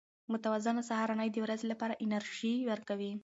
متوازنه سهارنۍ د ورځې لپاره انرژي ورکوي.